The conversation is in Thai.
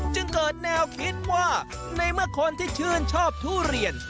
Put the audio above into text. จึงเกิดแนวคิดว่าในเมื่อคนที่ชื่นชอบทุเรียน